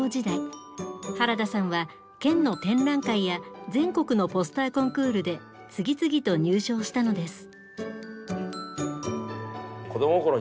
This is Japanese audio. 原田さんは県の展覧会や全国のポスターコンクールで次々と入賞したのです。